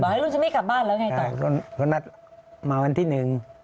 ให้ลูกฉันไม่กลับบ้านแล้วไงต่อก็นัดมาวันที่หนึ่ง